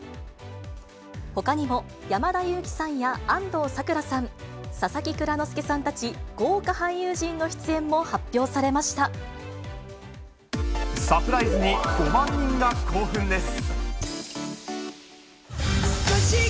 ほかにも山田裕貴さんや安藤サクラさん、佐々木蔵之介さんたち豪華俳優陣の出演も発表されまサプライズに５万人が興奮です。